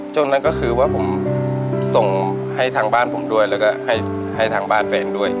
ช่วงนั้นก็คือว่าผมส่งให้ทางบ้านผมด้วยแล้วก็ให้ทางบ้านแฟนด้วย